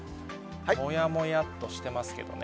もやもやっとしてますけどね。